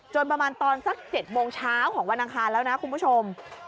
ประมาณตอนสัก๗โมงเช้าของวันอังคารแล้วนะคุณผู้ชม